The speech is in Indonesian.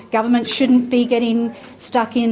mengenai mengapa pemerintah tidak harus